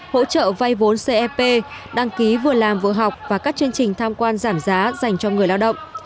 hỗ trợ vay vốn cep đăng ký vừa làm vừa học và các chương trình tham quan giảm giá dành cho người lao động